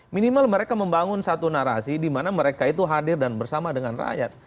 minimal mereka membangun satu narasi di mana mereka itu hadir dan bersama dengan rakyat